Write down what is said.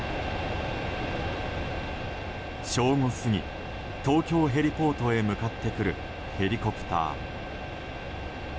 正午過ぎ東京ヘリポートへ向かってくるヘリコプター。